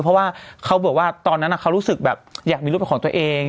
เพราะว่าเขาบอกว่าตอนนั้นเขารู้สึกแบบอยากมีรถเป็นของตัวเอง